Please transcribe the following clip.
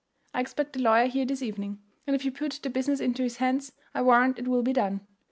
I expect the lawyer here this evening, and if you put the business into his hands I warrant it will be done.